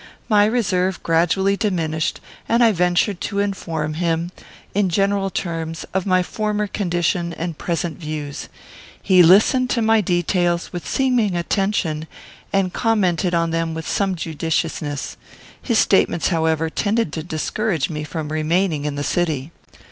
My reserve gradually diminished, and I ventured to inform him, in general terms, of my former condition and present views. He listened to my details with seeming attention, and commented on them with some judiciousness. His statements, however, tended to discourage me from remaining in the city.